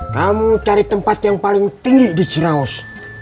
kamu cari tempat yang paling tinggi di ciraos